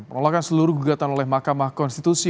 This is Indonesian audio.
penolakan seluruh gugatan oleh mahkamah konstitusi